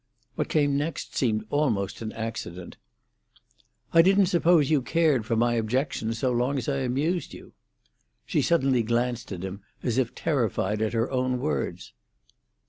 What came next seemed almost an accident. "I didn't suppose you cared for my objections, so long as I amused you." She suddenly glanced at him, as if terrified at her own words.